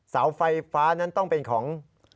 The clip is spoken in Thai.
เสาไฟฟ้านั้นต้องเป็นของ